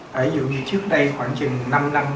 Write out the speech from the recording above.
ví dụ như trước đây khoảng năm năm